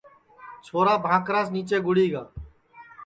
وشال بھاکراس نیچے گُڑی گا